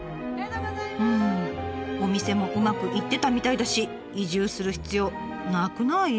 うんお店もうまくいってたみたいだし移住する必要なくない？